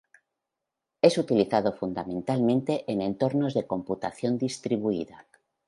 Es utilizado fundamentalmente en entornos de computación distribuida.